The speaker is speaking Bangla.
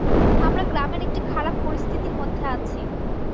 আমরা গ্রামের একটি খারাপ পরিস্থিতির মধ্যে আছি।